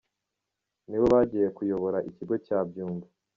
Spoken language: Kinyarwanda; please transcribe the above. Nibo bagiye kuyobora ikigo cya Byumba.”